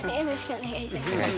お願いします。